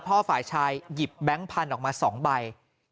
ฝ่ายชายหยิบแบงค์พันธุ์ออกมา๒ใบ